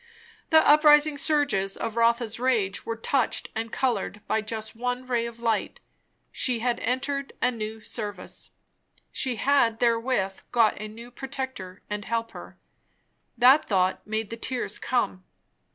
The up rising surges of Rotha's rage were touched and coloured by just one ray of light; she had entered a new service, she had therewith got a new Protector and Helper. That thought made the tears come.